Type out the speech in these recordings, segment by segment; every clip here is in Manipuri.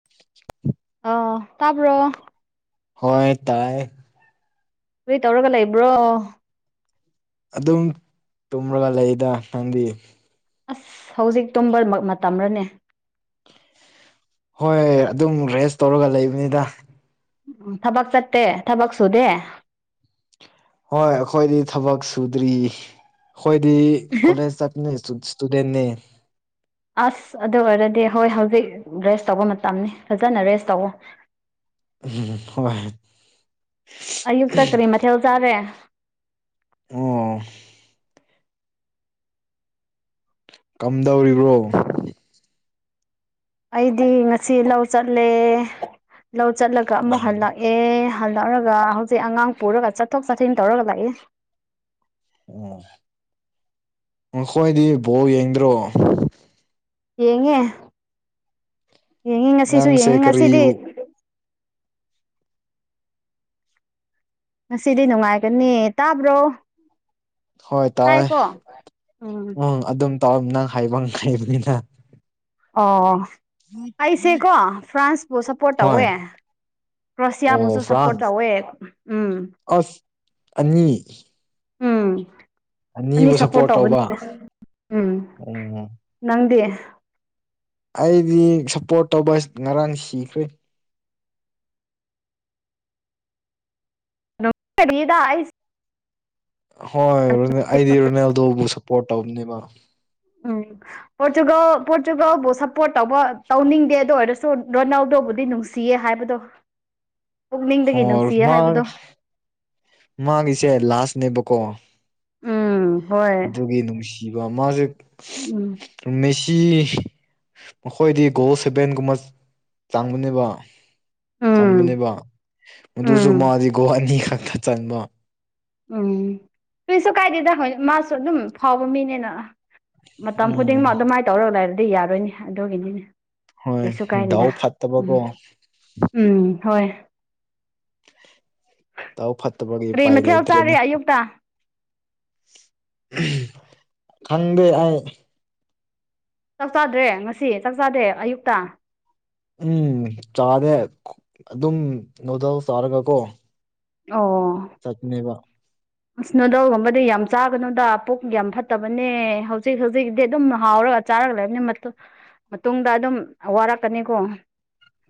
[unintelligible] ꯑꯣ ꯇꯥꯕ꯭ꯔꯣ ꯍꯣꯏ ꯇꯧꯌꯦ ꯀ꯭ꯔꯤ ꯇꯧꯔꯒ ꯂꯩꯕ꯭ꯔꯣ ꯑꯗꯨꯝ ꯇꯨꯝꯔꯒ ꯂꯩꯗ ꯅꯪꯗꯤ ꯑꯁ ꯍꯧꯖꯤꯛ ꯇꯨꯝꯕ ꯃꯇꯝꯔꯅꯦ ꯍꯣꯏ ꯑꯗꯨꯝ ꯔꯦꯁ ꯇꯧꯔꯒ ꯂꯩꯕꯅꯤꯗ ꯎ ꯊꯕꯛ ꯆꯠꯇꯦ ꯊꯕꯛ ꯁꯨꯗꯦ ꯍꯣꯏ ꯑꯩꯈꯣꯏꯗꯤ ꯊꯕꯛ ꯁꯨꯗ꯭ꯔꯤ ꯑꯩꯈꯣꯏꯗꯤ ꯀꯣꯂꯦꯖ ꯆꯠꯄꯅꯤ ꯁ꯭ꯇꯨꯗꯦꯟꯅꯦ ꯑꯁ ꯑꯗꯨ ꯑꯣꯏꯔꯗꯤ ꯍꯣꯏ ꯍꯧꯖꯤꯛ ꯔꯦꯁ ꯇꯧꯕ ꯃꯇꯝꯅꯤ ꯐꯖꯅ ꯔꯦꯁ ꯇꯧꯋꯣ ꯎꯝ ꯍꯣꯏ ꯑꯌꯨꯛꯇ ꯀꯔꯤ ꯃꯊꯦꯜ ꯆꯥꯒꯦ ꯑꯣ ꯀꯝꯗꯧꯔꯤꯕ꯭ꯔꯣ ꯑꯩꯗꯤ ꯉꯁꯤ ꯂꯧ ꯆꯠꯂꯦ ꯂꯧ ꯆꯠꯂꯒ ꯑꯃꯨꯛ ꯑꯣ ꯍꯜꯂꯛꯑꯦ ꯍꯜꯂꯛꯑꯒ ꯍꯧꯖꯤꯛ ꯑꯉꯥꯡ ꯄꯨꯔꯒ ꯆꯠꯊꯣꯛ ꯆꯠꯁꯤꯟ ꯇꯧꯔꯒ ꯂꯩꯌꯦ ꯑꯣ ꯅꯈꯣꯏꯗꯤ ꯕꯣꯜ ꯌꯦꯡꯗ꯭ꯔꯣ ꯌꯦꯡꯉꯦ ꯌꯦꯡꯉꯤ ꯉꯁꯤꯁꯨ ꯅꯪꯁꯦ ꯌꯦꯡꯉꯤ ꯉꯁꯤꯗꯤ ꯀꯔꯤꯕꯨ ꯉꯁꯤꯗꯤ ꯅꯨꯡꯉꯥꯏꯒꯅꯤ ꯇꯥꯕ꯭ꯔꯣ ꯍꯣꯏ ꯇꯥꯏ ꯇꯥꯏꯀꯣ ꯎꯝ ꯑꯗꯨꯝ ꯇꯥꯎ ꯅꯪ ꯍꯥꯏꯕ ꯉꯥꯏꯕꯅꯤꯅ ꯑꯣ ꯑꯩꯁꯦꯀꯣ ꯐ꯭ꯔꯥꯟꯁꯄꯨ ꯁꯞꯄꯣꯔꯠ ꯍꯣꯏ ꯇꯧꯋꯦ ꯑꯣ ꯀ꯭ꯔꯣꯁꯤꯌꯥꯕꯨꯁꯨ ꯁꯞꯄꯣꯔꯠ ꯐ꯭ꯔꯥꯟꯁ ꯇꯧꯋꯦ ꯎꯝ ꯑꯁ ꯑꯅꯤ ꯎꯝ ꯑꯅꯤ ꯑꯅꯤꯕꯨ ꯁꯞꯄꯣꯔꯠ ꯇꯧꯕꯅꯦ ꯇꯧꯕ ꯎꯝ ꯎꯝ ꯅꯪꯗꯤ ꯑꯩꯗꯤ ꯁꯞꯄꯣꯔꯠ ꯇꯧꯕ ꯉꯔꯥꯡ ꯁꯤꯈ꯭ꯔꯦ [inaudible] ꯍꯣꯏ ꯔꯣꯅ ꯑꯩꯗꯤ ꯔꯣꯅꯦꯜꯗꯣꯕꯨ ꯁꯞꯄꯣꯔꯠ ꯇꯧꯕꯅꯦꯕ ꯑꯝ ꯄꯣꯔꯇꯨꯒꯜ ꯄꯣꯔꯆꯨꯒꯜꯕꯨ ꯁꯞꯄꯣꯔꯠ ꯇꯧꯕ ꯇꯧꯅꯤꯡꯗꯦ ꯑꯗꯨ ꯑꯣꯏꯔꯁꯨ ꯔꯣꯅꯥꯜꯗꯣꯕꯨꯗꯤ ꯅꯨꯡꯁꯤꯌꯦ ꯍꯥꯏꯕꯗꯣ ꯄꯨꯛꯅꯤꯡꯗꯒꯤ ꯍꯣꯏ ꯅꯨꯡꯁꯤꯌꯦ ꯃꯥ ꯍꯥꯏꯕꯗꯣ ꯃꯥꯒꯤꯁꯦ ꯂꯥꯁꯅꯦꯕꯀꯣ ꯎꯝ ꯍꯣꯏ ꯑꯗꯨꯒꯤ ꯅꯨꯡꯁ ꯁꯤꯕ ꯃꯥꯖꯦ ꯎꯝ ꯃꯦꯁꯤ ꯃꯈꯣꯏꯗꯤ ꯒꯣꯜ ꯁꯦꯚꯦꯟꯒꯨꯝꯕ ꯆꯪꯕꯅꯦꯕ ꯎꯝ ꯆꯟꯕꯅꯦꯕ ꯃꯗꯨꯁꯨ ꯎꯝ ꯃꯥꯗꯤ ꯒꯣꯜ ꯑꯅꯤ ꯈꯛꯇ ꯆꯟꯕ ꯎꯝ ꯀ꯭ꯔꯤꯁꯨ ꯀꯥꯏꯗꯦꯗ ꯍꯣꯏ ꯃꯥꯁꯨ ꯑꯗꯨꯝ ꯐꯥꯎꯕ ꯃꯤꯅꯦꯅ ꯃꯇꯝ ꯎꯝ ꯈꯨꯗꯤꯡꯃꯛ ꯑꯗꯨꯃꯥꯏꯅ ꯇꯧꯔꯒ ꯂꯩꯔꯗꯤ ꯌꯥꯔꯣꯏꯅꯦ ꯑꯗꯨꯒꯤꯅꯤꯅꯦ ꯍꯣꯏ ꯀꯩꯁꯨ ꯗꯥꯎ ꯀꯥꯏꯗꯦꯗ ꯎꯝ ꯐꯠꯇꯕꯀꯣ ꯎꯝ ꯍꯣꯏ ꯇꯥꯎ ꯐꯠꯇꯕꯒꯤ ꯎꯄꯥꯏ ꯂꯩꯇ꯭ꯔꯦꯅꯦ ꯌꯨꯛꯇ ꯈꯪꯗꯦ ꯑꯩ ꯆꯥꯛ ꯆꯥꯗ꯭ꯔꯦ ꯉꯁꯤ ꯆꯥꯛ ꯆꯥꯗꯦ ꯑꯌꯨꯛꯇ ꯎꯝ ꯆꯥꯗꯦ ꯑꯗꯨꯝ ꯅꯨꯗꯜꯁ ꯆꯥꯔꯒ ꯀꯣ ꯑꯣ ꯆꯠꯕꯅ‌ꯦꯕ ꯅꯣꯗꯜꯒꯨꯝꯕꯗꯤ ꯌꯥꯝ ꯆꯥꯒꯅꯨꯗ ꯄꯨꯛ ꯌꯥꯝ ꯐꯠꯇꯕꯅꯦ ꯍꯧꯖꯤꯛ ꯍꯧꯖꯤꯛꯗꯤ ꯑꯗꯨꯝ ꯍꯥꯎꯔꯒ ꯆꯥꯔꯛꯂꯕꯅꯤ ꯃꯇꯨꯡ ꯃꯇꯨꯡꯗ ꯑꯗꯨꯝ ꯋꯥꯔꯛꯀꯅꯤꯀꯣ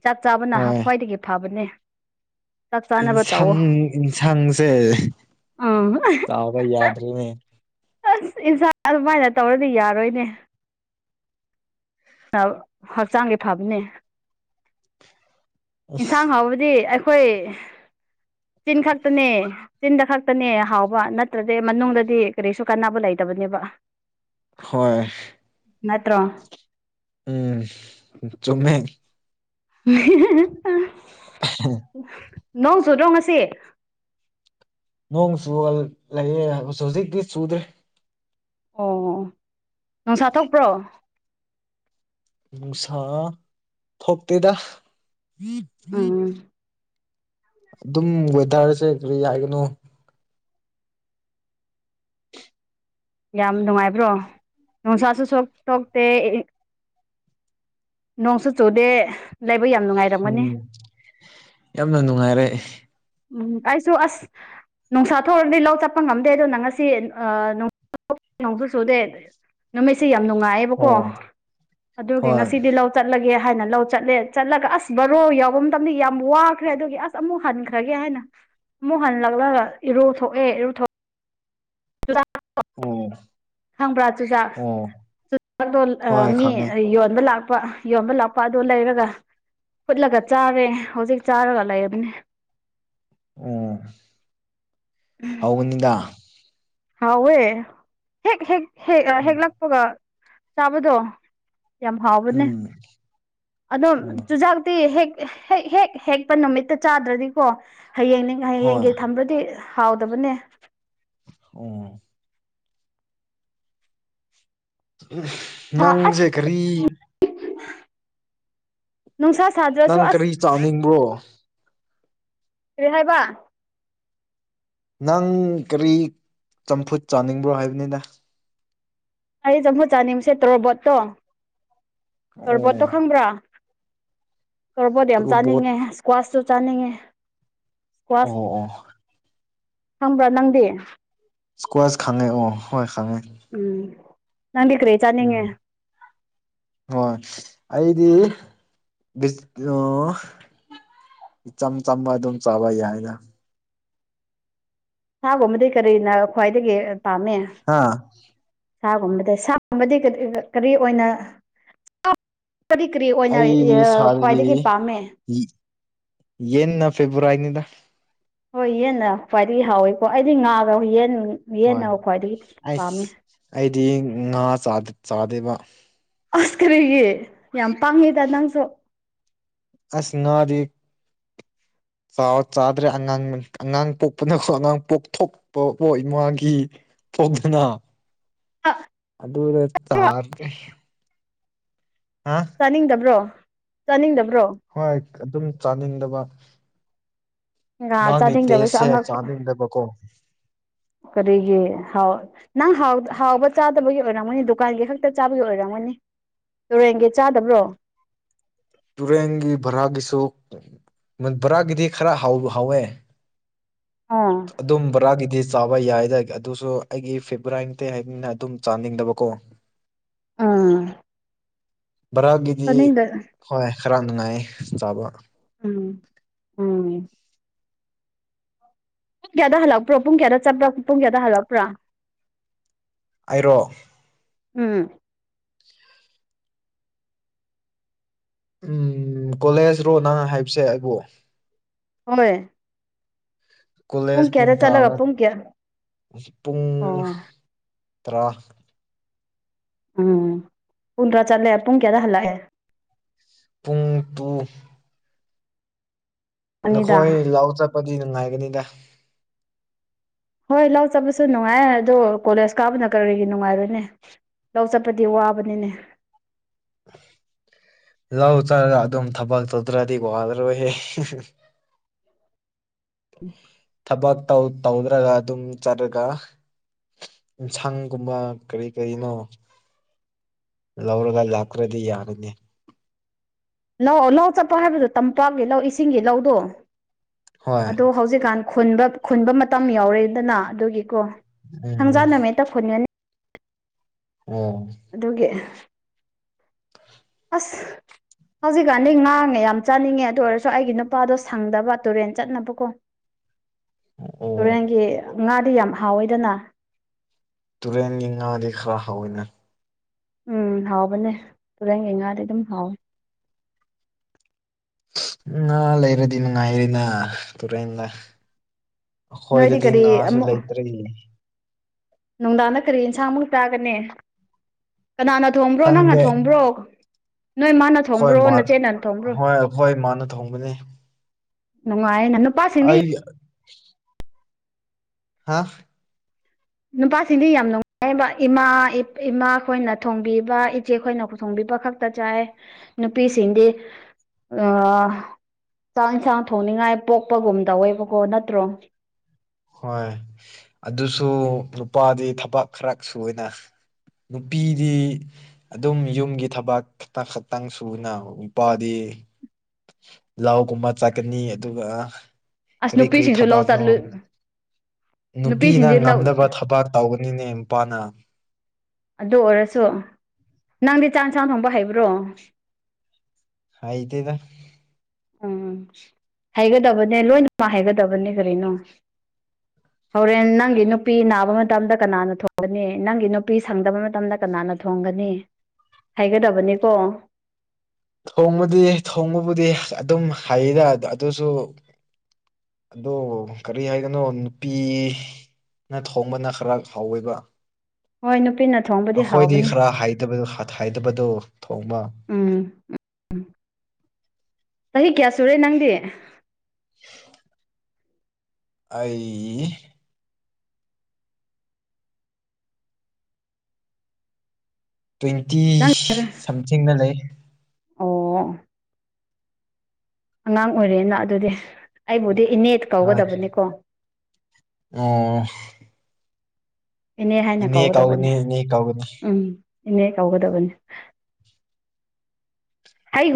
ꯆꯥꯛ ꯆꯥꯕꯅ ꯍꯣꯏ ꯈ꯭ꯋꯥꯏꯗꯒꯤ ꯐꯕꯅꯦ ꯆꯥꯛ ꯆꯥꯅꯕ ꯇꯧꯋꯣ ꯏꯟꯁꯥꯡ ꯌꯦꯟꯁꯥꯡꯁꯦ ꯑꯥ ꯇꯥꯎꯕ ꯌꯥꯗ꯭ꯔꯅꯦ ꯑꯁ ꯏꯟꯁꯥꯡ ꯑꯗꯨꯃꯥꯏꯅ ꯇꯧꯔꯗꯤ ꯌꯥꯔꯣꯏꯅꯦ ꯍꯛꯆꯥꯡꯗꯤ ꯐꯕꯅꯦ ꯏꯟꯁꯥꯡ ꯑꯁ ꯍꯥꯎꯕꯗꯤ ꯑꯩꯈꯣꯏ ꯆꯤꯟ ꯈꯛꯇꯅꯦ ꯆꯤꯟꯗ ꯈꯛꯇꯅꯦ ꯍꯥꯎꯕ ꯅꯠꯇ꯭ꯔꯗꯤ ꯃꯅꯨꯡꯗꯗꯤ ꯀꯔꯤꯁꯨ ꯀꯥꯟꯅꯕ ꯂꯩꯇꯕꯅꯦꯕ [unintelligible] ꯍꯣꯏ ꯅꯠꯇ꯭ꯔꯣ ꯎꯝ ꯆꯨꯝꯃꯦ ꯅꯣꯡ ꯆꯨꯗ꯭ꯔꯣ ꯉꯁꯤ ꯅꯣꯡ ꯆꯨꯒ ꯂꯩꯑꯦ ꯍꯧꯖꯤꯛꯇꯤ ꯆꯨꯗꯦ ꯑꯣ ꯅꯨꯡꯁꯥ ꯊꯣꯛꯄ꯭ꯔꯣ ꯅꯨꯡꯁꯥ ꯊꯣꯛꯇꯦꯗ ꯎꯝ ꯑꯗꯨꯝ ꯋꯦꯗꯔꯁꯦ ꯀ꯭ꯔꯤ ꯍꯥꯏꯒꯅꯣ ꯌꯥꯝ ꯅꯨꯡꯉꯥꯏꯕ꯭ꯔꯣ ꯅꯨꯡꯁꯥꯁꯨ ꯁꯣꯛ ꯊꯣꯛꯇꯦ ꯅꯣꯡꯁꯨ ꯆꯨꯗꯦ ꯂꯩꯕ ꯌꯥꯝꯅ ꯎꯝ ꯌꯥꯝꯅ ꯅꯨꯡꯉꯥꯏꯔꯦ ꯎꯝ ꯑꯩꯁꯨ ꯑꯁ ꯅꯨꯡꯁꯥ ꯊꯣꯛꯔꯗꯤ ꯂꯧ ꯆꯠꯄ ꯉꯝꯗꯦ ꯑꯗꯨꯅ ꯉꯁꯤ ꯅꯣꯡꯁꯨ ꯆꯨꯗꯦ ꯅꯨꯃꯤꯠꯁꯤ ꯌꯥꯝ ꯅꯨꯡꯉꯥꯏꯑꯦꯕꯀꯣ ꯑꯣ ꯑꯗꯨꯒꯤ ꯍꯣꯏ ꯉꯁꯤꯗꯤ ꯂꯧ ꯆꯠꯂꯒꯦ ꯍꯥꯏꯅ ꯂꯧ ꯆꯠꯂꯦ ꯆꯠꯂꯒ ꯑꯁ ꯕꯔꯣ ꯌꯥꯎꯕ ꯃꯇꯝꯗꯤ ꯌꯥꯝ ꯋꯥꯈ꯭ꯔꯦ ꯑꯗꯨꯒꯤ ꯑꯁ ꯑꯃꯨꯛ ꯍꯟ ꯊꯒꯦ ꯍꯥꯏꯅ ꯑꯃꯨꯛ ꯍꯜꯂꯛꯂꯒ ꯏꯔꯨ ꯊꯣꯛꯑꯦ ꯏꯔꯨꯊꫭꯛ ꯑꯣ ꯈꯪꯕ꯭ꯔꯥ ꯆꯨꯖꯥꯛ ꯑꯣ ꯆꯨꯖꯥꯛꯇꯣ ꯑ ꯍꯣꯏ ꯃꯤ ꯈꯪꯉꯦ ꯌꯣꯟꯕ ꯂꯥꯛ ꯄ ꯌꯣꯟꯕ ꯂꯥꯛꯄ ꯑꯗꯨ ꯂꯩꯔꯒ ꯐꯨꯠꯂꯒ ꯆꯥꯔꯦ ꯍꯧꯖꯤꯛ ꯆꯥꯔꯒ ꯂꯩꯕꯅꯦ ꯑꯣ ꯍꯥꯎꯅꯤꯗ ꯍꯥꯎꯋꯦ ꯍꯦꯛ ꯍꯦꯛ ꯍꯦꯛ ꯍꯦꯛꯂꯥꯛꯄꯒ ꯆꯥꯕꯗꯣ ꯌꯥꯝ ꯍꯥꯎꯕꯅꯦ ꯎꯝ ꯑꯗꯨꯝ ꯎꯝ ꯆꯨꯖꯥꯛꯇꯤ ꯍꯦꯛ ꯍꯦꯛ ꯍꯦꯛ ꯍꯦꯛꯄ ꯅꯨꯃꯤꯠꯇ ꯆꯥꯗ꯭ꯔꯗꯤꯀꯣ ꯍꯌꯦꯡꯅꯤꯡ ꯍꯣꯏ ꯍꯌꯦꯡꯒꯤ ꯊꯝꯕꯗꯤ ꯍꯥꯎꯗꯕꯅꯦ ꯑꯣ ꯎꯝ [inaudible] ꯑꯁ ꯅꯨꯡꯁꯥ ꯁꯥꯗ꯭ꯔꯁꯨ ꯅꯪ ꯑꯁ ꯀꯔꯤ ꯆꯥꯅꯤꯡꯕ꯭ꯔꯣ ꯀꯔꯤ ꯍꯥꯏꯕ ꯅꯪ ꯀꯔꯤ ꯆꯝꯐꯨꯠ ꯆꯥꯅꯤꯡꯕ꯭ꯔꯣ ꯍꯥꯏꯕꯅꯤꯗ ꯑꯩ ꯆꯝꯐꯨꯠ ꯆꯥꯅꯤꯡꯕꯁꯦ ꯇꯣꯔꯕꯣꯠꯇꯣ ꯇꯣꯔꯕꯣꯠꯇꯣ ꯑꯣ ꯈꯪꯕ꯭ꯔꯥ ꯇꯣꯔꯄꯣꯠ ꯌꯥꯝ ꯇꯣꯔꯕꯣꯠ ꯆꯥꯅꯤꯡꯉꯦ ꯏꯁꯀ꯭ꯋꯥꯁꯁꯨ ꯆꯥꯅꯤꯡꯉꯦ ꯏꯁꯀ꯭ꯋꯥꯁ ꯑꯣ ꯑꯣ ꯈꯪꯕ꯭ꯔꯥ ꯅꯪꯗꯤ ꯏꯁꯀ꯭ꯋꯥꯁ ꯈꯪꯉꯦꯀꯣ ꯍꯣꯏ ꯈꯪꯉꯦ ꯎꯝ ꯅꯪꯗꯤ ꯀꯔꯤ ꯆꯥꯅꯤꯡꯉꯦ ꯎꯝ ꯍꯣꯏ ꯑꯩꯗꯤ ꯏꯆꯝ ꯆꯝꯕ ꯑꯗꯨꯝ ꯆꯥꯕ ꯌꯥꯏ ꯍꯥꯏꯅ ꯁꯥꯒꯨꯝꯕꯗꯤ ꯀꯔꯤꯅ ꯈ꯭ꯋꯥꯏꯗꯒꯤ ꯄꯥꯝꯃꯦ ꯍꯥ ꯁꯥꯒꯨꯝꯕꯗ ꯁꯥꯒꯨꯝꯕꯗꯤ ꯀꯔꯤ ꯑꯣꯏꯅ ꯀꯔꯤ ꯀꯔꯤ ꯑꯣꯏꯅ ꯑꯩꯗꯤ ꯁꯥꯗꯗꯤ ꯈ꯭ꯋꯥꯏꯗꯒꯤ ꯄꯥꯝꯃꯦ ꯌꯦꯟꯅ ꯐꯦꯕ꯭ꯔꯋꯥꯔꯤꯅꯤꯗ ꯍꯣꯏ ꯌꯦꯟꯅ ꯈ꯭ꯋꯥꯏꯗꯒꯤ ꯍꯥꯎꯋꯤꯀꯣ ꯑꯩꯗꯤ ꯉꯥꯒ ꯌꯦꯟ ꯍꯣꯏ ꯌꯦꯟꯅ ꯈ꯭ꯋꯥꯏꯗꯒꯤ ꯄꯥꯝꯃꯦ ꯑꯩꯁ ꯑꯩꯗꯤ ꯉꯥ ꯆꯥꯗꯦꯕ ꯑꯁ ꯀꯔꯤꯒꯤ ꯌꯥꯝ ꯄꯥꯡꯉꯦꯗ ꯅꯪꯁꯨ ꯑꯁ ꯉꯥꯗꯤ ꯆꯥꯎ ꯆꯥꯗ꯭ꯔꯦ ꯑꯉꯥꯡ ꯑꯉꯥꯡ ꯄꯣꯛꯄꯅꯀꯣ ꯑꯉꯥꯡ ꯄꯣꯛꯊꯣꯛꯄ [inaudible] ꯏꯃꯥꯒꯤ ꯄꯗꯅꯣ ꯑꯗꯨꯔ ꯇꯥꯔꯒꯦ [inaudible] ꯍꯥ ꯆꯥꯅꯤꯡꯗꯕ꯭ꯔꯣ ꯆꯥꯅꯤꯡꯗꯕ꯭ꯔꯣ ꯍꯣꯏ ꯑꯗꯨꯝ ꯆꯥꯅꯤꯡꯗꯕ ꯉꯥ ꯃꯥꯒꯤ ꯆꯥꯅꯤꯡꯗꯕꯁꯨ ꯇꯦꯁꯁꯦ ꯑꯉꯛꯄ ꯆꯥꯅꯤꯡꯗꯕꯀꯣ ꯀꯔꯤꯒꯤ ꯅꯪ ꯍꯥꯎꯕ ꯆꯥꯗꯕꯒꯤ ꯑꯣꯏꯔꯝꯒꯅꯤ ꯗꯨꯀꯥꯟꯒꯤ ꯈꯛꯇ ꯆꯥꯕꯒꯤ ꯑꯣꯏꯔꯝꯒꯅꯤ ꯇꯨꯔꯦꯟꯒꯤ ꯆꯥꯗꯕ꯭ꯔꯣ ꯇꯨꯔꯦꯟꯒꯤ ꯕꯥꯔꯥꯛꯀꯤꯁꯨ ꯕꯥꯔꯥꯛꯀꯤꯗꯤ ꯈꯔ ꯍꯥꯎꯋꯦ ꯑꯥ ꯑꯗꯨꯝ ꯕꯣꯔꯥꯒꯤꯗꯤ ꯆꯥꯕ ꯌꯥꯏꯗꯥꯏ ꯑꯗꯨꯁꯨ ꯑꯩꯒꯤ ꯐꯤꯕꯣꯔꯥꯇꯩ ꯍꯥꯏꯅꯤꯅ ꯑꯗꯨꯝ ꯆꯥꯅꯤꯡꯗꯕꯀꯣ [unintelligible] ꯑꯥ ꯚꯔꯥꯒꯤꯗꯤ ꯆꯥꯅꯤꯡꯗ ꯍꯣꯏ ꯈꯔ ꯅꯨꯡꯉꯥꯏ ꯆꯥꯕ ꯎꯝ ꯎꯝ ꯄꯨꯡ ꯀꯌꯥꯗ ꯍꯜꯂꯛꯄ꯭ꯔꯣ ꯄꯨꯡ ꯀꯌꯥꯗ ꯆꯠꯄ꯭ꯔꯥ ꯄꯨꯡ ꯀꯌꯥꯗ ꯍꯜꯂꯛꯄ꯭ꯔꯥ ꯑꯩꯔꯣ ꯎꯝ ꯎꯝ ꯀꯣꯂꯦꯖ ꯔꯣ ꯅꯪ ꯍꯥꯏꯕꯁꯦ ꯑꯩꯕꯨ ꯍꯣꯏ ꯀꯣꯂꯦꯖ ꯄꯨꯡ ꯀꯌꯥꯗ ꯆꯠꯂꯒ ꯇꯔꯥꯗ ꯄꯨꯡ ꯀꯌꯥ ꯄꯨꯡ ꯑꯣ ꯇ꯭ꯔꯥ ꯎꯝ ꯄꯨꯡ ꯇꯥꯔꯥꯗ ꯆꯠꯂꯦ ꯄꯨꯡ ꯀꯌꯥꯗ ꯍꯜꯂꯛꯑꯦ ꯄꯨꯡ ꯇꯨ ꯑꯅꯤꯗ ꯅꯈꯣꯏ ꯂꯥꯎ ꯆꯠꯄꯗꯤ ꯅꯨꯡꯉꯥꯏꯒꯅꯤꯗ ꯍꯣꯏ ꯂꯥꯎ ꯆꯠꯕꯁꯨ ꯅꯨꯡꯉꯥꯏ ꯑꯗꯣ ꯀꯣꯂꯦꯖ ꯀꯥꯕꯅ ꯀꯔꯤꯒꯤ ꯅꯨꯡꯉꯥꯏꯔꯣꯏꯅꯦ ꯂꯧ ꯆꯠꯄꯗꯤ ꯋꯥꯕꯅꯤꯅꯦ ꯂꯧ ꯆꯔꯒ ꯑꯗꯨꯝ ꯊꯕꯛ ꯇꯧꯗ꯭ꯔꯗꯤ ꯋꯥꯂꯔꯣꯏꯍꯦ ꯏ [inaudible] ꯊꯕꯛ ꯇꯧꯗ꯭ꯔꯒ ꯑꯗꯨꯝ ꯆꯠꯂꯒ ꯌꯦꯟꯁꯥꯡꯒꯨꯝꯕ ꯀꯔꯤ ꯀꯔꯤꯅꯣ ꯂꯧꯔꯒ ꯂꯥꯛꯇ꯭ꯔꯗꯤ ꯌꯥꯔꯅꯤ ꯂꯧ ꯂꯧ ꯆꯠꯄ ꯍꯥꯏꯕꯗꯣ ꯇꯝꯄꯥꯛꯀꯤ ꯂꯧ ꯏꯁꯤꯡꯒꯤ ꯂꯧꯗꯣ ꯍꯣꯏ ꯑꯗꯣ ꯍꯧꯖꯤꯛꯀꯥꯟ ꯈꯨꯟꯗ ꯃꯇꯝ ꯌꯥꯎꯔꯦꯗꯅ ꯑꯗꯨꯒꯤꯀꯣ ꯊꯥꯡꯖꯥ ꯎꯝ ꯅꯨꯃꯤꯠꯇ ꯈꯨꯟꯒꯅꯤ ꯑꯣ ꯑꯗꯨꯒꯤ ꯑꯁ ꯍꯧꯖꯤꯛꯀꯥꯟꯗꯤ ꯉꯥ‌ ꯃꯌꯥꯝ ꯆꯥꯅꯤꯡꯉꯦ ꯑꯗꯨ ꯑꯣꯏꯔꯁꯨ ꯑꯩꯒꯤ ꯅꯨꯄꯥꯗꯣ ꯁꯪꯗꯕ ꯇꯨꯔꯦꯟ ꯆꯠꯅꯕꯀꯣ [unintelligible] ꯑꯣ ꯇꯨꯔꯦꯟꯒꯤ ꯉꯥꯗꯤ ꯌꯥꯝ ꯍꯥꯎꯋꯦꯗꯅ ꯇꯨꯔꯦꯟꯒꯤ ꯉꯥꯗꯤ ꯈꯔ ꯍꯥꯎꯋꯦꯅ ꯎꯝ ꯍꯥꯎꯕꯅꯦ ꯇꯨꯔꯦꯟꯒꯤ ꯉꯥꯗꯤ ꯑꯗꯨꯝ ꯍꯥꯎꯋꯦ ꯎ ꯉꯥ ꯂꯩꯔꯗꯤꯅ ꯅꯨꯉꯥꯏꯔꯦꯅ ꯇꯨꯔꯦꯟꯗ ꯅꯣꯏꯗꯤ ꯑꯩꯈꯣꯏꯗꯗꯤ ꯀꯔꯤ ꯉꯥꯁꯨ ꯑꯃꯨꯛ ꯂꯩꯇ꯭ꯔꯦ ꯅꯨꯡꯗꯥꯡꯗ ꯀꯔꯤ ꯌꯦꯟꯁꯥꯡꯃꯨꯛ ꯆꯥꯒꯅꯤ ꯀꯅꯥꯅ ꯊꯣꯡꯕ꯭ꯔꯣ ꯅꯪꯅ ꯈꯪꯗꯦ ꯊꯣꯡꯕ꯭ꯔꯣ ꯅꯣꯏ ꯃꯥꯅ ꯊꯣꯡꯕ꯭ꯔꯣ ꯑꯩꯈꯣꯏꯃꯥꯅ ꯅꯆꯦꯅ ꯊꯣꯡꯕ꯭ꯔꯣ ꯍꯣꯏ ꯑꯩꯈꯣꯏ ꯃꯥꯅ ꯊꯣꯡꯒꯅꯤ ꯅꯨꯉꯥꯥꯢꯅ ꯑꯩ ꯍꯥ ꯅꯨꯄꯥꯁꯤꯡꯗꯤ ꯌꯥꯝ ꯅꯨꯡꯉꯥꯏꯕ ꯏꯃꯥ ꯏꯃꯥ ꯈꯈꯣꯏꯅ ꯊꯣꯡꯕꯤꯕ ꯏꯆꯦꯈꯣꯏꯅ ꯊꯣꯡꯕꯤꯕ ꯈꯛ ꯇ ꯆꯥꯦ [inaudible] ꯅꯨꯄꯤꯤ ꯁꯤꯁꯤꯡꯗ ꯆꯥꯛ ꯏꯟꯁꯥꯡ ꯊꯣꯡꯅꯤꯡꯉꯥꯏ ꯄꯣꯛꯄꯒꯨꯝ ꯇꯧꯋꯦꯕꯀꯣ ꯅꯠꯇ꯭ꯔꯣ ꯍꯣꯏ ꯑꯗꯨꯁꯨ ꯅꯨꯄꯥꯗꯤ ꯊꯕꯛ ꯈꯔ ꯁꯨꯅ ꯅꯨꯄꯤꯗꯤ ꯑꯗꯨꯝ ꯌꯨꯝꯒꯤ ꯊꯕꯥꯛ ꯈꯛꯇ ꯈꯛꯇꯪ ꯁꯨꯅ ꯅꯨꯄꯥꯗꯤ ꯂꯥꯎꯒꯨꯝꯕ ꯆꯥꯛꯀꯅꯤ ꯑꯗꯨꯒ ꯑꯁ ꯀꯔꯤ ꯀꯔꯤ ꯅꯨꯄꯤꯁꯤꯡꯁꯨ ꯂꯧ ꯊꯕꯛꯅꯣ ꯆꯠꯂꯨ ꯅꯨꯄꯤꯅ ꯅꯨꯄꯤꯁꯤꯡꯗꯤ ꯂꯧ ꯉꯝꯗꯕ ꯊꯕꯛ ꯇꯧꯕꯅꯤꯅꯦ ꯅꯨꯄꯥꯅ ꯑꯗꯨ ꯑꯣꯏꯔꯁꯨ ꯅꯪꯗꯤ ꯆꯥꯛ ꯏꯟꯁꯥꯡ ꯊꯣꯡꯕ ꯍꯩꯕ꯭ꯔꯣ ꯍꯥꯏꯗꯦꯗ ꯎꯝ ꯍꯩꯒꯗꯕꯅꯦ ꯂꯣꯏꯅ ꯃꯥ ꯍꯩꯒꯗꯕꯅꯦ ꯀꯔꯤꯅꯣ ꯍꯣꯔꯦꯟ ꯅꯪꯒꯤ ꯅꯨꯄꯤ ꯅꯥꯕ ꯃꯇꯝꯗ ꯀꯅꯥꯅ ꯊꯣꯡꯒꯅꯤ ꯅꯪꯒꯤ ꯅꯨ ꯅꯨꯄꯤ ꯁꯪꯗꯕ ꯃꯇꯝꯗ ꯀꯅꯥꯅ ꯊꯣꯡꯒꯅꯤ ꯍꯥꯏꯒꯗꯕꯅꯤꯀꯣ ꯊꯣꯡꯕꯗꯤ ꯊꯣꯡꯕꯕꯨꯗꯤ ꯑꯗꯨꯝ ꯍꯩꯑꯦꯗ ꯑꯗꯨꯁꯨ ꯑꯗꯣ ꯀꯔꯤ ꯍꯥꯏꯕꯅꯣ ꯅꯨꯄꯤ ꯅꯊꯣꯡꯕꯅ ꯈꯔ ꯍꯥꯎꯋꯦꯕ ꯍꯣꯏ ꯅꯨꯄꯤꯅ ꯊꯣꯡꯕꯗꯤ ꯑꯩꯈꯣꯏꯗꯤ ꯍꯥꯎꯕꯅꯦ ꯈꯔ ꯍꯩꯇꯕꯗꯣ ꯊꯣꯡꯕ ꯎꯝ ꯆꯍꯤ ꯀꯌꯥ ꯁꯨꯔꯦ ꯅꯪꯗꯤ [unintelligible] ꯑꯩ ꯇ꯭ꯋꯦꯟꯇꯤ ꯅꯪ ꯁꯝꯊꯤꯡꯗ ꯂꯩ ꯑꯣ ꯑꯉꯥꯡ ꯑꯣꯏꯔꯦꯅ ꯑꯗꯨꯗꯤ ꯑꯩꯕꯨꯗꯤ ꯏꯅꯦꯠ ꯍꯣꯏ ꯀꯧꯒꯗꯕꯅꯤꯀꯣ ꯑꯣ ꯑꯦꯅꯦ ꯍꯥꯏꯅ ꯏꯅꯦ ꯀꯧꯒꯗꯕꯅꯦ ꯀꯧꯒꯅꯤ ꯏꯅꯦ ꯀꯧꯒꯅꯤ ꯎꯝ ꯏꯅꯦ ꯀꯧꯒꯗꯕꯅꯤ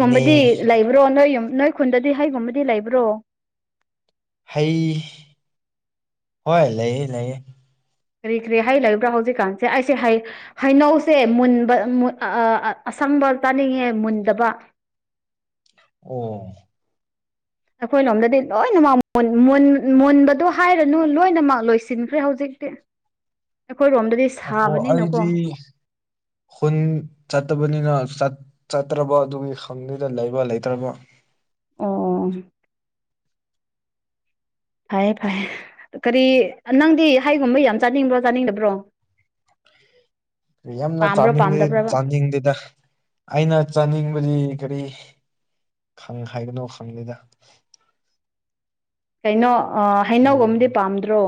ꯏꯅꯦ ꯂꯩꯕ꯭ꯔꯣ ꯅꯣꯏ ꯌꯨꯝ ꯅꯣꯏ ꯈꯨꯟꯗꯗꯤ ꯍꯩꯒꯨꯝꯕꯗꯤ ꯂꯩꯕ꯭ꯔꯣ ꯍꯩ ꯍꯣꯏ ꯂꯩꯌꯦ ꯂꯩꯌꯦ ꯀꯔꯤ ꯀꯔꯤ ꯍꯥꯏ ꯂꯩꯕ꯭ꯔꯥ ꯍꯧꯖꯤꯛꯀꯥꯟꯁꯦ ꯑꯩꯁꯦ ꯍꯥꯏ ꯍꯩꯅꯧꯁꯦ ꯃꯨꯟꯕ ꯑꯁꯪꯕ ꯇꯥꯅꯤꯡꯉꯦ ꯃꯨꯟꯗꯕ ꯑꯣ ꯑꯩꯈꯣꯏ ꯂꯣꯝꯗꯗꯤ ꯂꯣꯏꯅꯃꯛ ꯃꯨꯟꯕꯗꯣ ꯍꯥꯏꯔꯅꯨ ꯂꯣꯏꯅꯃꯛ ꯂꯣꯏꯁꯤꯟꯈ꯭ꯔꯦ ꯍꯧꯖꯤꯛꯇꯤ [inaudible] ꯑꯩꯈꯣꯏ ꯔꯣꯝꯗꯗꯤ ꯑꯣꯍꯣ ꯑꯩꯗꯤ ꯈꯨꯟ ꯆꯠꯇꯕꯅꯤꯅ ꯆꯠꯇ꯭ꯔꯕ ꯑꯗꯨꯒꯤ ꯈꯪꯗꯨꯗ ꯂꯩꯕ ꯂꯩꯇ꯭ꯔꯕ ꯑꯣ- ꯑꯣ ꯐꯩꯦ ꯐꯩꯦ ꯀꯔꯤ ꯅꯪꯗꯤ ꯍꯥꯏꯒꯨꯝꯕ ꯌꯥꯝ ꯆꯥꯅꯤꯡꯕ꯭ꯔꯣ ꯆꯥꯅꯤꯡꯗꯕ꯭ꯔꯣ ꯌꯥꯝꯅ ꯄꯥꯝꯕ꯭ꯔꯣ ꯆꯥꯅꯤꯡꯗꯦ ꯄꯥꯝꯗꯕ꯭ꯔꯕ ꯆꯥꯅꯤꯡꯗꯦꯗ ꯑꯩꯅ ꯆꯥꯅꯤꯡꯕꯗꯤ ꯀꯔꯤꯪ ꯍꯥꯏꯒꯅꯣ ꯈꯪꯗꯦꯗ ꯀꯩꯅꯣ ꯎꯝ ꯍꯩꯅꯧꯒꯨꯝꯝꯗꯤ ꯄꯥꯝꯗ꯭ꯔꯣ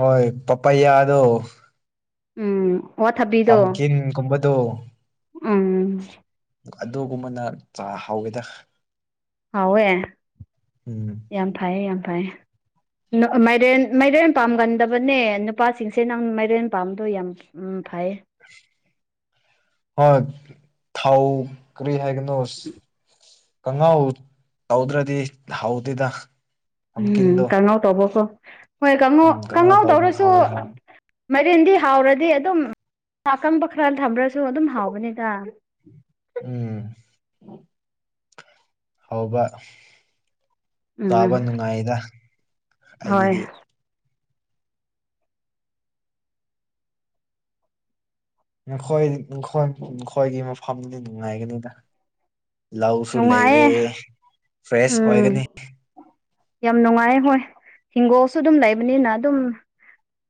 ꯍꯣꯏ ꯄꯄꯌꯥꯗꯣ ꯎꯝ ꯋꯥ ꯊꯕꯤꯗꯣ ꯄꯝꯀꯤꯟꯒꯨꯝꯕꯗꯣ ꯎꯝ ꯑꯗꯨꯒꯨꯝꯕꯅ ꯆ ꯍꯥꯎꯋꯤꯗ ꯍꯥꯎꯋꯦ ꯎꯝ ꯌꯥꯝ ꯐꯩꯌꯦ ꯌꯥꯝ ꯐꯩꯌꯦ ꯃꯥꯏꯔꯦꯟ ꯃꯥꯏꯔꯦꯟ ꯄꯥꯝꯒꯟꯗꯕꯅꯦ ꯅꯨꯄꯥꯁꯤꯡꯁꯦ ꯅꯪ ꯃꯥꯏꯔꯦꯟ ꯄꯥꯝꯗꯣꯏ ꯌꯥꯝ ꯎꯝ ꯐꯩ ꯍꯣꯏ ꯊꯥꯎꯥꯎ ꯀꯔꯤ ꯍꯥꯏꯒꯅꯤ ꯀꯪꯍꯥꯎ ꯇꯧꯗ꯭ꯔꯗꯤ ꯍꯥꯎꯗꯦꯗ ꯎꯝ ꯄꯝꯀꯤꯟꯗꯣ ꯀꯥꯡꯉꯥꯎ ꯇꯧꯕꯁꯨꯣ ꯍꯣꯏꯉꯧ ꯎꯝ ꯀꯥꯡꯉꯥꯎ ꯇꯧꯕꯅ ꯇꯧꯔꯁꯨ ꯍꯥꯎꯋꯦ ꯍꯥꯏ ꯃꯔꯤꯦꯟꯗꯤ ꯍꯥꯎꯔꯗꯤ ꯑꯗꯨꯝ ꯑ ꯑꯀꯪꯕ ꯈꯔ ꯊꯝꯝꯕ꯭ꯔꯁꯨ ꯑꯗꯨꯝ ꯍꯥꯎꯒꯅꯤꯗ ꯎꯝ ꯍꯥꯎꯕ ꯆꯥꯕ ꯎꯝ ꯅꯨꯡꯉꯥꯏꯗ ꯍꯣꯏ ꯑꯩꯒꯤꯗꯤ ꯅꯈꯣꯏ ꯅꯈꯣꯏ ꯅꯈꯣꯏꯒꯤ ꯃꯐꯝꯗꯤ ꯅꯨꯡꯉꯥꯏꯒꯅꯤꯗ ꯂꯧꯁꯨ ꯂꯩꯔꯦ ꯅꯨꯡꯉꯥꯏꯌꯦ ꯐ꯭ꯔꯦꯁ ꯎꯝ ꯑꯣꯏꯒꯅꯤ ꯌꯥꯝ ꯅꯨꯡꯉꯥꯏ ꯍꯣꯏ ꯍꯤꯡꯒꯣꯜꯁꯨ ꯑꯗꯨꯝ ꯂꯩꯕꯅꯤꯅ ꯑꯗꯨꯝ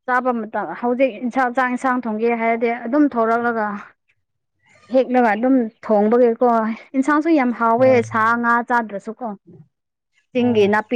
ꯆꯥꯕ ꯃꯇꯝ ꯍꯧꯖꯤꯛ ꯏꯟꯁꯥꯡ ꯆꯥꯡ ꯏꯟꯁꯥꯡ ꯊꯣꯡꯒꯦ ꯍꯥꯏꯔꯗꯤ ꯑꯗꯨꯝ ꯊꯣꯔꯛꯂꯒ ꯍꯦꯛꯅꯒ ꯑꯗꯨꯝ ꯊꯣꯡꯕꯒꯤꯀꯣ ꯌꯦꯟꯁꯥꯡꯁꯨ ꯌꯥꯝ ꯍꯥꯎꯋꯦ ꯍꯣꯏ ꯁꯥ ꯉꯥ ꯆꯥꯗ꯭ꯔꯁꯨꯀꯣ ꯎꯝ ꯆꯤꯡꯒꯤ ꯅꯥꯄꯤ